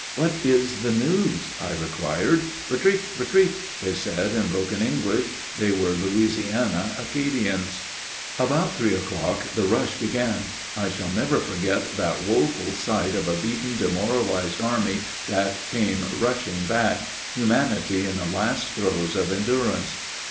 "What is the news?" I inquired. "Ritreat, ritreat!" they said, in broken English they were Louisiana Acadians. About three o'clock the rush began. I shall never forget that woeful sight of a beaten, demoralized army that came rushing back, humanity in the last throes of endurance.